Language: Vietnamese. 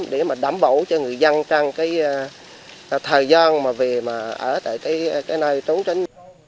để đảm bảo cho người dân trong thời gian về ở tại nơi trống tránh